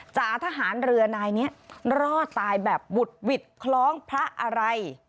จ่าทหารเรือนายนี้รอดตายแบบบุดหวิดคล้องพระอะไร